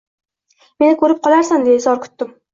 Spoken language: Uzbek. Meni ko’rib qolarsan deya zor kutdim.